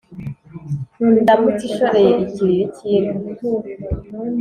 indamutsa ishoreye ikiriri cy' inka